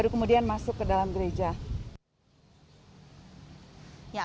kalau kamu nggak tahu itu namanya laas ya